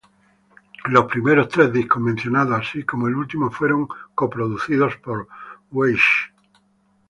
Los primeros tres discos mencionados, así como el último fueron co-producidos por Weiß.